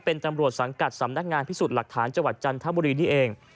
เป็นตำรวจสังกัดสำนักงานพิสูจน์หลักฐานจังหวัดจันทบุรีนี่เอง